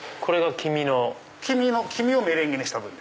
黄身も黄身をメレンゲにした。